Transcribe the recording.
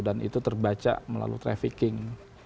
dan itu terbaca melalui trafficking